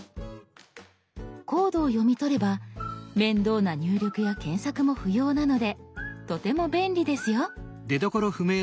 コードを読み取れば面倒な入力や検索も不要なのでとても便利ですよ。